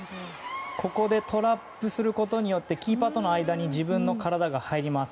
ここでトラップすることによってキーパーとの間に自分の体が入ります。